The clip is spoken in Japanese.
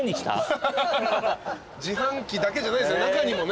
自販機だけじゃないっすよね